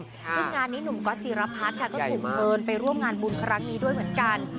ซึ่งงานนี้หนุ่มก๊อตจิรพัฒน์ค่ะก็ถูกเชิญไปร่วมงานบุญครั้งนี้ด้วยเหมือนกัน